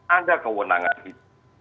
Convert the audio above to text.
ada kewenangan itu